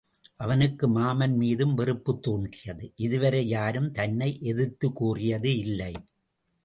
அவனுக்கு மாமன் மீதும் வெறுப்புத் தோன்றியது இதுவரை யாரும் தன்னை எதிர்த்துக் கூறியது இல்லை.